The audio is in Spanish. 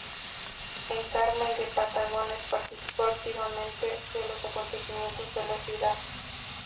En Carmen de Patagones participó activamente de los acontecimientos de la ciudad.